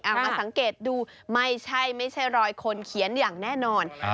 มาสังเกตดูไม่ใช่ไม่ใช่รอยคนเขียนอย่างแน่นอน